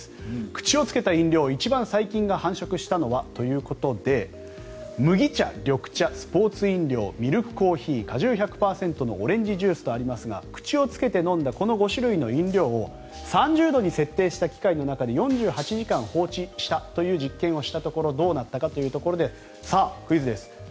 口をつけた飲料一番細菌が繁殖したのは？ということで麦茶、緑茶、スポーツ飲料ミルクコーヒー果汁１００％のオレンジジュースとありますが口をつけて飲んだ５種類の飲料を３０度に設定した機械の中で４８時間放置したという実験をしたところどうなったかというところでクイズです。